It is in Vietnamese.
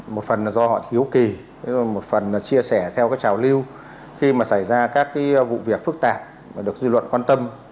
một phần là do họ thiếu kỳ một phần là chia sẻ theo trào lưu khi xảy ra các vụ việc phức tạp và được dư luận quan tâm